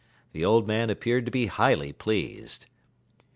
The old man appeared to be highly pleased.